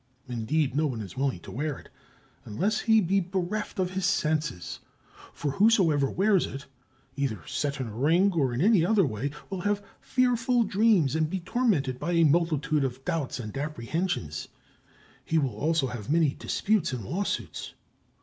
Indeed, no one is willing to wear it, unless he be bereft of his senses; for whosoever wears it, either set in a ring or in any other way, will have fearful dreams and be tormented by a multitude of doubts and apprehensions; he will also have many disputes and lawsuits.